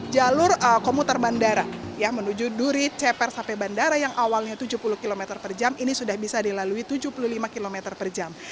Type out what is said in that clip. jalur komuter bandara menuju duri ceper sampai bandara yang awalnya tujuh puluh km per jam ini sudah bisa dilalui tujuh puluh lima km per jam